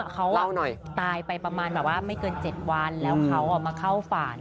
เขาตายไปประมาณแบบว่าไม่เกิน๗วันแล้วเขามาเข้าฝ่าน